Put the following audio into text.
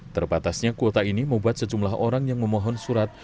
terbatasnya kuota ini membuat sejumlah orang yang memohon surat